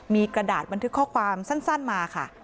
มีกระดาษบันทึกข้อความสั้นมาค่ะ